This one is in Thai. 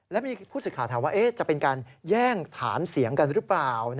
แล้วมีผู้สื่อข่าวถามว่าจะเป็นการแย่งฐานเสียงกันหรือเปล่า